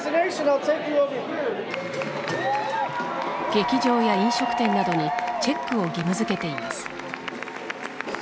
劇場や飲食店などにチェックを義務付けています。